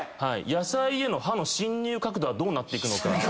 野菜への刃の進入角度はどうなっていくのか。